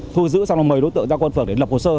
thu giữ sau đó mời đối tượng giao quân phường để lập hồ sơ